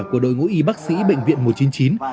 của đội ngũ y bác sĩ bệnh viện một trăm chín mươi chín